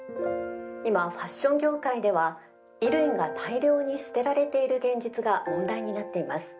今ファッション業界では衣類が大量に捨てられている現実が問題になっています。